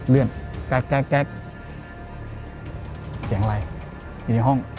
เลื่อนแก๊กแก๊กแก๊กเสียงอะไรอยู่ในห้อง